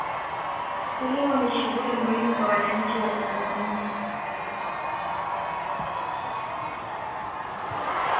kilimo ni shughuli muhimu kwa wananchi wa tanzania